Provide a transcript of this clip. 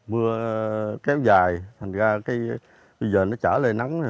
mưa kéo dài thành ra cái bây giờ nó trở lại nắng